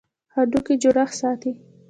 هډوکي جوړښت ساتي.